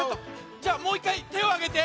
じゃあもういっかいてをあげて。